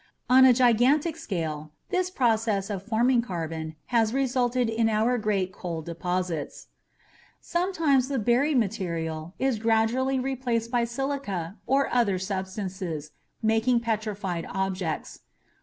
On a gigantic scale, this process of forming carbon has resulted in our great coal deposits. Sometimes the buried material is gradually replaced by silica or other substances, making petrified objects.